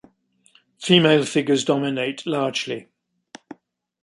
Female figures dominate largely.